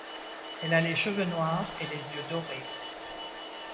Elle a les cheveux noirs et les yeux dorés.